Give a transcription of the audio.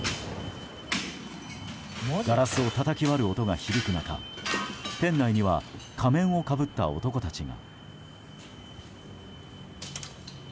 ガラスをたたき割る音が響く中店内には仮面をかぶった男たちが。